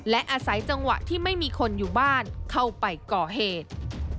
และอาศัยจังหวะที่ไม่มีคนอยู่บ้านเข้าไปก่อเหตุ